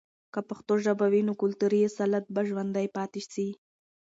که پښتو ژبه وي، نو کلتوری اصالت به ژوندۍ پاتې سي.